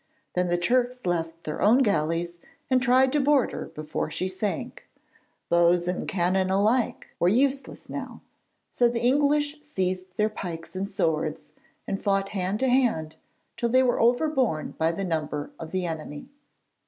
Then the Turks left their own galleys and tried to board her before she sank. Bows and cannon were alike useless now, so the English seized their pikes and swords, and fought hand to hand till they were overborne by the number of the enemy.